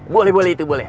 boleh boleh itu boleh